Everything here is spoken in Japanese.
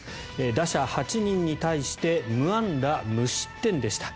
打者８人に対して無安打無失点でした。